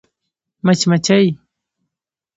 🐝 مچمچۍ